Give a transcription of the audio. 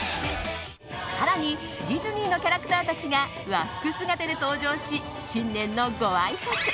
更にディズニーのキャラクターたちが和服姿で登場し新年のごあいさつ。